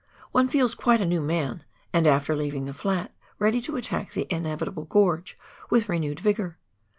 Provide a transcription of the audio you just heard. One feels quite a new man, and, after leaving the flat, ready to attack the inevitable gorge with renewed vigour.